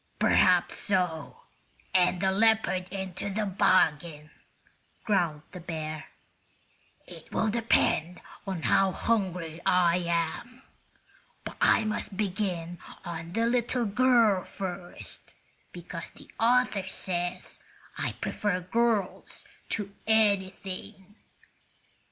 "Perhaps so, and a leopard into the bargain," growled the bear. "It will depend on how hungry I am. But I must begin on the little girl first, because the author says I prefer girls to anything."